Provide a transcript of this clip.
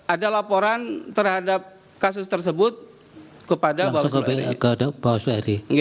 ada laporan terhadap kasus tersebut kepada bawaslu